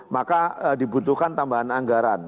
maka dibutuhkan tambahan anggaran